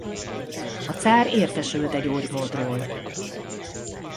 A cár értesült e gyógymódról.